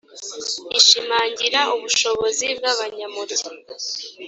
ishimangira ubushobozi bw abanyamurya